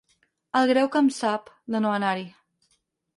El greu que em sap, de no anar-hi!